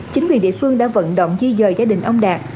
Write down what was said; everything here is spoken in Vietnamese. chính quyền địa phương đã vận động di dời gia đình ông đạt